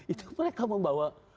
itu mereka membawa